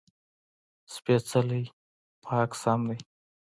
سپېڅلی: پاک سم دی.